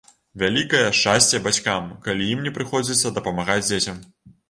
Вялікае шчасце бацькам, калі ім не прыходзіцца дапамагаць дзецям.